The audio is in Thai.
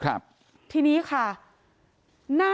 ศพที่สอง